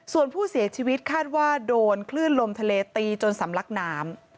ส่วนผู้เสียชีวิตคาดว่าโดนคลื่นลมทะเลตีจนสำลักน้ำ